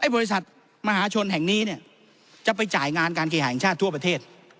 บริษัทมหาชนแห่งนี้จะไปจ่ายงานการเคหาแห่งชาติทั่วประเทศ